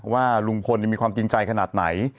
ว่าลุงพลมีความจริงใจขนาดไหน